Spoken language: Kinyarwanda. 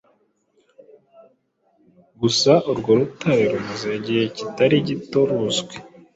gusa urwo rutare rumaze igihe kitari gito ruzwi